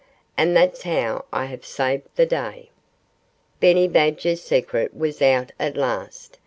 ... And that's how I have saved the day." Benny Badger's secret was out at last.